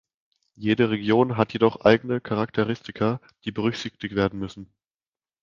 Jede Region hat jedoch eigene Charakteristika, die berücksichtigt werden müssen.